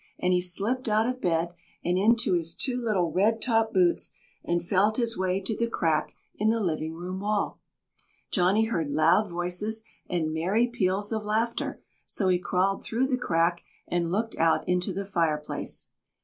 and he slipped out of bed and into his two little red topped boots and felt his way to the crack in the living room wall. Johnny heard loud voices and merry peals of laughter, so he crawled through the crack and looked out into the fireplace.